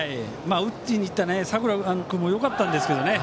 打ちにいった佐倉君もよかったんですけどね。